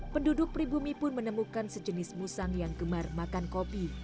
penduduk pribumi pun menemukan sejenis musang yang gemar makan kopi